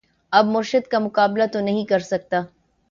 اب مرشد کا مقابلہ تو نہیں کر سکتا